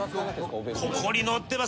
ここにのってます。